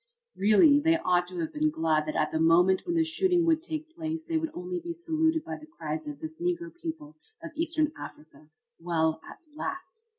Really, they ought to have been glad that at the moment when the shooting would take place they would only be saluted by the cries of this Negro people of Eastern Africa, "Well, at last!"